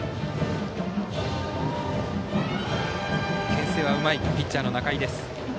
けん制はうまいピッチャーの仲井。